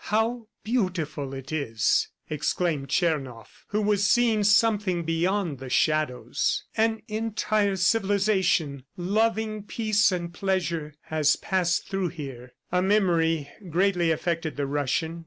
"How beautiful it is!" exclaimed Tchernoff who was seeing something beyond the shadows. "An entire civilization, loving peace and pleasure, has passed through here." A memory greatly affected the Russian.